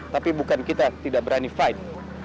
tapi bukan kita tidak berani fine